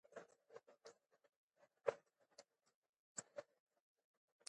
سیاسي تفاهم د شخړو مخه نیسي